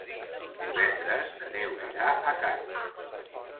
Divendres na Neus irà a Carme.